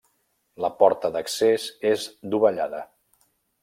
La porta d'accés és dovellada.